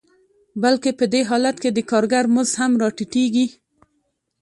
بلکې په دې حالت کې د کارګر مزد هم راټیټېږي